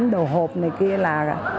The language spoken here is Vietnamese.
đồ hộp này kia là